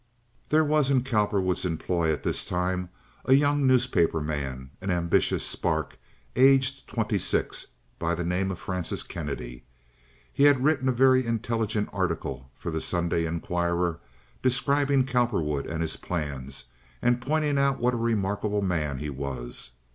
There was in Cowperwood's employ at this time a young newspaper man, an ambitious spark aged twenty six, by the name of Francis Kennedy. He had written a very intelligent article for the Sunday Inquirer, describing Cowperwood and his plans, and pointing out what a remarkable man he was.